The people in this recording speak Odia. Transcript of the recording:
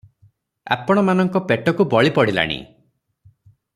ଆପଣ ମାନଙ୍କ ପେଟକୁ ବଳି ପଡ଼ିଲାଣି ।